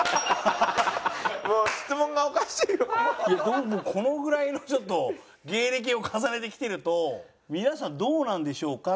どうもこのぐらいの人と芸歴を重ねてきてると皆さんどうなんでしょうか？